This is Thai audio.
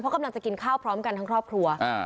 เพราะกำลังจะกินข้าวของหมดพร้อมกันทั้งครอบครัว